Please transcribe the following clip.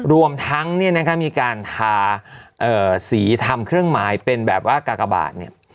รวมทั้งเนี่ยนะคะมีการทาสีทำเครื่องหมายเป็นแบบว่ากากบาทเนี่ย